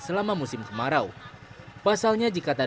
perluan hidup sehari hari dari mana